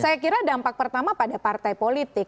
saya kira dampak pertama pada partai politik